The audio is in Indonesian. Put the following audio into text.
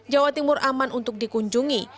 jawa timur aman untuk dikunjungi